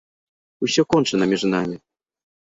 Усё кончана між намі!